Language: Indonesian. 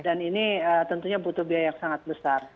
dan ini tentunya butuh biaya yang sangat besar